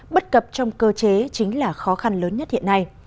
bất cập trong cơ chế chính là khó khăn lớn nhất hiện nay